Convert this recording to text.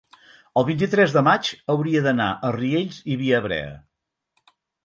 el vint-i-tres de maig hauria d'anar a Riells i Viabrea.